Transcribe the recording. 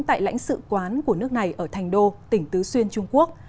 tại lãnh sự quán của nước này ở thành đô tỉnh tứ xuyên trung quốc